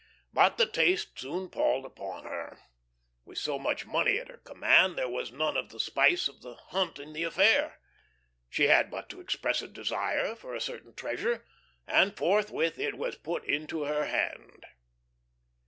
But the taste soon palled upon her. With so much money at her command there was none of the spice of the hunt in the affair. She had but to express a desire for a certain treasure, and forthwith it was put into her hand.